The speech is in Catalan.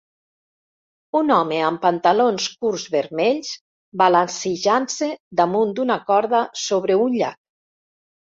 Un home amb pantalons curts vermells balancejant-se damunt d'una corda sobre un llac